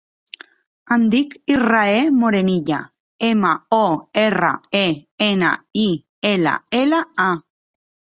Em dic Israe Morenilla: ema, o, erra, e, ena, i, ela, ela, a.